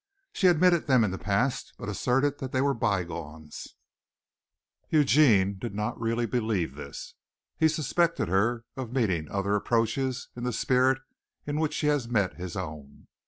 She admitted them in the past, but asserted that they were bygones. Eugene really did not believe this. He suspected her of meeting other approaches in the spirit in which she had met his own.